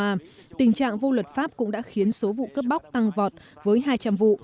tình trạng vô luật pháp cũng đã khiến số vụ cướp bóc tăng vọt với hai trăm linh vụ